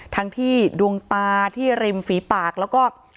ทั้งที่ดวงตาที่ริมฝีปากแล้วก็